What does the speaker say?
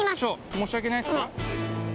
申し訳ないです。